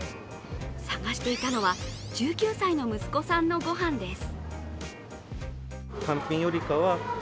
探していたのは、１９歳の息子さんのご飯です。